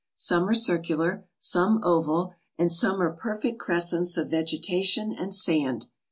Some are circular, some oval, and some are perfect cres cents of vegetation and sand.